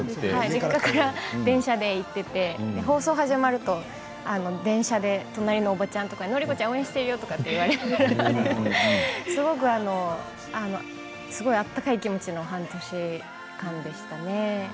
実家から電車で行っていて放送が始まると電車で隣のおばちゃんとかから希子ちゃん応援してるよとか言われて温かい気持ちの半年間でしたね。